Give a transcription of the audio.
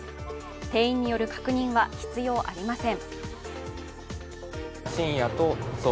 店員による確認は必要ありません。